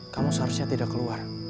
kamu seharusnya tidak keluar